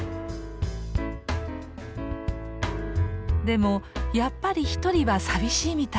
でもやっぱり一人は寂しいみたいで。